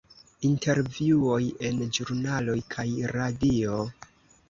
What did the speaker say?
Intervjuoj en ĵurnaloj kaj radio.